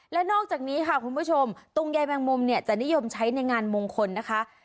และนอกจากนี้ค่ะคุณผู้ชมตุงใยแมงมุมเนี่ยจะนิยมใช้ในงานมงคลนะคะ